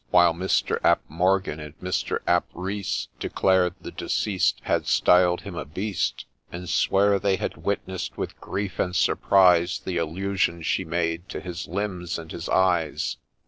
While Mr. Ap Morgan, and Mr. Ap Rhya Declared the Deceased Had styled him ' a Beast,' And swear they had witness'd, with grief and surprise, The allusion she made to hia limbs and hia eyes.